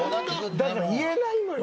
だから言えないのよ